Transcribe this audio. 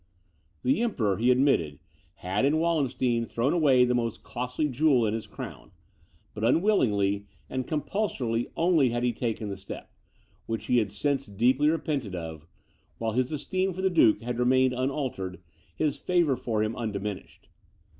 "The Emperor," he admitted, "had, in Wallenstein, thrown away the most costly jewel in his crown: but unwillingly and compulsorily only had he taken this step, which he had since deeply repented of; while his esteem for the duke had remained unaltered, his favour for him undiminished.